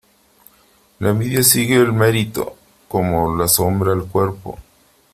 La envidia sigue al mérito, como la sombra al cuerpo.